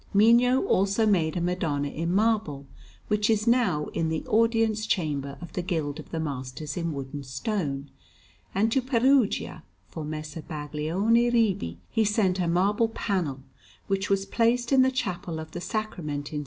Mino also made a Madonna in marble, which is now in the Audience Chamber of the Guild of the Masters in Wood and Stone; and to Perugia, for Messer Baglione Ribi, he sent a marble panel, which was placed in the Chapel of the Sacrament in S.